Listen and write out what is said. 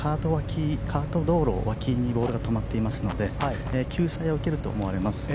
カート道路脇にボールが止まっていますので救済を受けると思われます。